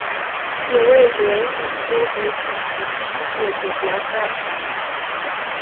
也为轮椅冰壶举行世界锦标赛。